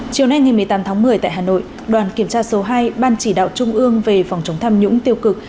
chiều nay ngày một mươi tám tháng một mươi tại hà nội đoàn kiểm tra số hai ban chỉ đạo trung ương về phòng chống tham nhũng tiêu cực